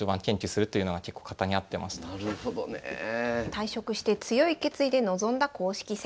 退職して強い決意で臨んだ公式戦。